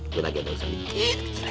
itu lagi aja biar saya bikin kecil kecil aja